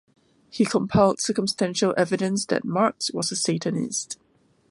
He compiled circumstantial evidence that Marx was a satanist.